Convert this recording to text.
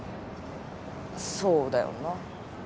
そうだよな。